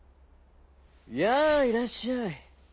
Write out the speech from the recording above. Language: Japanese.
「やあいらっしゃい。